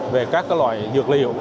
về các loại dược liệu